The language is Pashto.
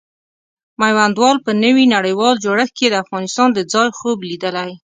میوندوال په نوي نړیوال جوړښت کې د افغانستان د ځای خوب لیدلی.